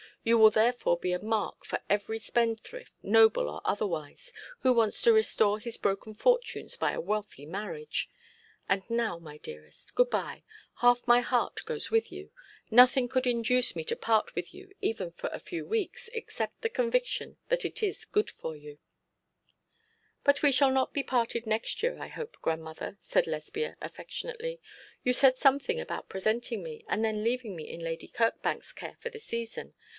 You will therefore be a mark for every spendthrift, noble or otherwise, who wants to restore his broken fortunes by a wealthy marriage. And now, my dearest, good bye. Half my heart goes with you. Nothing could induce me to part with you, even for a few weeks, except the conviction that it is for your good.' 'But we shall not be parted next year, I hope, grandmother,' said Lesbia, affectionately. 'You said something about presenting me, and then leaving me in Lady Kirkbank's care for the season.